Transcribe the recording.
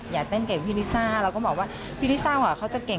เต้นเก่งพี่ลิซ่าเราก็บอกว่าพี่ลิซ่าเขาจะเก่ง